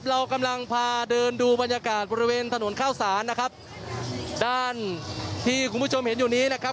เรากำลังพาเดินดูบรรยากาศบริเวณถนนข้าวสารนะครับด้านที่คุณผู้ชมเห็นอยู่นี้นะครับ